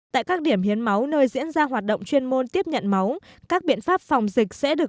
tại các điểm hiến máu nơi diễn ra hoạt động chuyên môn tiếp nhận máu các biện pháp phòng dịch sẽ được